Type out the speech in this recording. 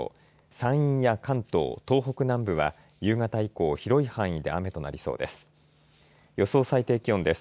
山陰や関東、東北南部は夕方以降広い範囲で雨となりそうです。